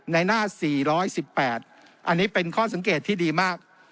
ในหน้า๔๑๘อันนี้เป็นข้อสังเกตที่ดีมาก